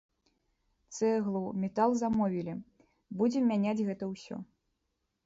Цэглу, метал замовілі, будзем мяняць гэта ўсё.